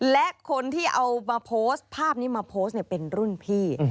และคนที่เอามาโพสต์ภาพนี้มาโพสต์เป็นรุ่นพี่